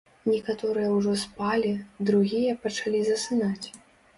Некаторыя ўжо спалі, другія пачалі засынаць.